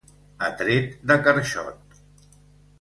A tret de carxot.